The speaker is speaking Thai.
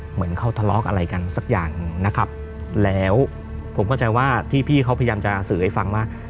เหมือนเขาทะเลาะอะไรกันสักอย่างนะครับแล้วผมเข้าใจว่าที่พี่เขาพยายามจะสื่อให้ฟังว่า